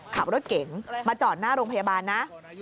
ขับรถเก๋งมาจอดหน้าโรงพยาบาลนะ